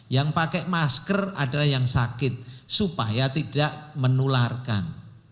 yang pakai masker adalah yang sakit supaya tidak menularkan